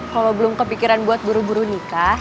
kalau belum kepikiran buat buru buru nikah